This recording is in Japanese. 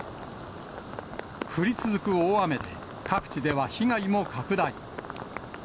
降り続く大雨で、各地では被害も拡大。